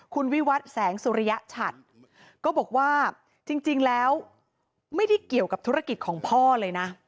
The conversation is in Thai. คุณวิวัตรแสงสุริยชัดก็บอกว่าจริงแล้วไม่ได้เกี่ยวกับธุรกิจของพ่อเลยนะ